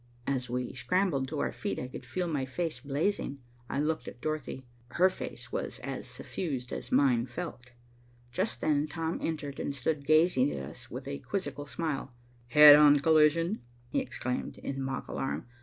As we scrambled to our feet, I could feel my face blazing. I looked at Dorothy. Her face was as suffused as mine felt. Just then Tom entered and stood gazing at us with a quizzical smile. "Head on collision," he exclaimed, in mock alarm.